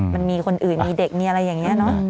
มันมีคนอื่นมีเด็กมีอะไรอย่างนี้เนอะ